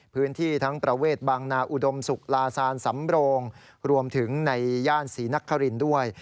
พื้นที่ทั้งประเวทบางนาอุดมศุกร์ลาซานสำโรงรวมถึงในย่านศรีนครินด้วย